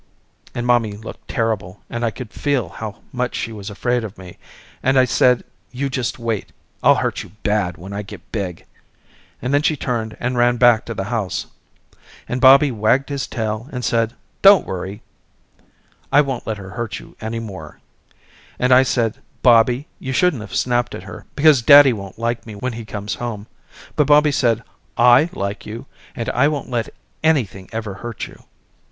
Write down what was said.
And mommy looked terrible and I could feel how much she was afraid of me and I said you just wait, I'll hurt you bad when I get big, and then she turned and ran back to the house. And Bobby wagged his tail and said don't worry, I won't let her hurt you any more and I said Bobby you shouldn't have snapped at her because daddy won't like me when he comes home but Bobby said I like you and I won't let anything ever hurt you.